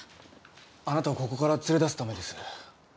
あなたをここから連れ出すためです。